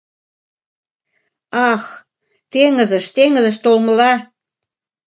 Ах, теҥызыш, теҥызыш толмыла...